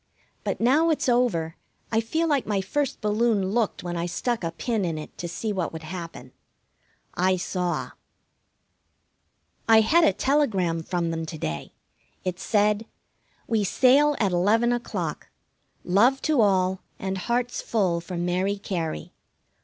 But now it's over I feel like my first balloon looked when I stuck a pin in it to see what would happen. I saw. I had a telegram from them to day. It said: We sail at eleven o'clock. Love to all, and hearts full for Mary Cary.